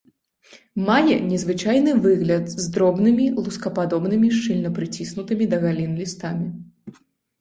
Мае незвычайны выгляд з дробнымі, лускападобнымі шчыльна прыціснутымі да галін лістамі.